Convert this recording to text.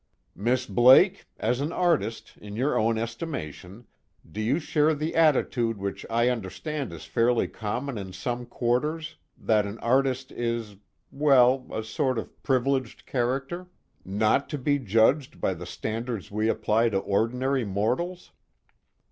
Miss Blake, as an artist, in your own estimation, do you share the attitude which I understand is fairly common in some quarters, that an artist is well, a sort of privileged character? Not to be judged by the standards we apply to ordinary mortals?"